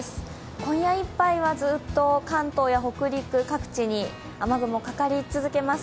今夜いっぱいはずっと関東や北陸各地に雨雲あります。